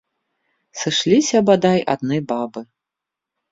Сышліся бадай адны бабы.